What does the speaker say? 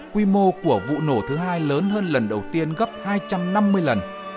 quy mô của vụ nổ thứ hai lớn hơn lần đầu tiên gấp hai trăm năm mươi lần